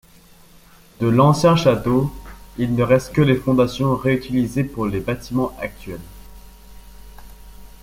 De l'ancien château, il ne reste que les fondations, réutilisées pour les bâtiments actuels.